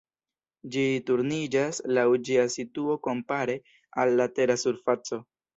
Ĝi turniĝas laŭ ĝia situo kompare al la Tera surfaco.